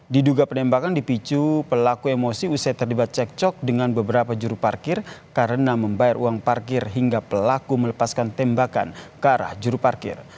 diduga penembakan dipicu pelaku emosi usai terlibat cekcok dengan beberapa juru parkir karena membayar uang parkir hingga pelaku melepaskan tembakan ke arah juru parkir